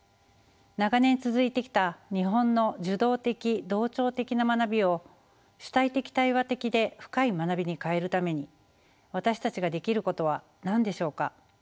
長年続いてきた日本の受動的同調的な学びを主体的対話的で深い学びに変えるために私たちができることは何でしょうか？